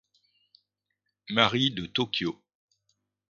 Mary de Tokyo.